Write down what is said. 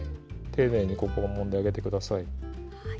丁寧にここはもんであげてください。